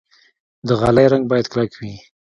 د غالۍ رنګ باید کلک وي.